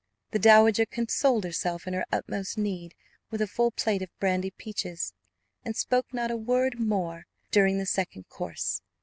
The dowager consoled herself in her utmost need with a full plate of brandy peaches, and spoke not a word more during the second course.